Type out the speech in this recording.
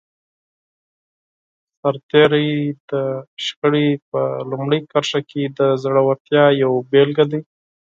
سرتېری د جګړې په لومړي کرښه کې د زړورتیا یوه بېلګه دی.